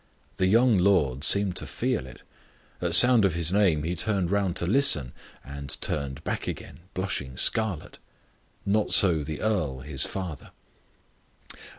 The young lord seemed to feel it; at sound of his name he turned round to listen, and turned back again, blushing scarlet. Not so the earl, his father.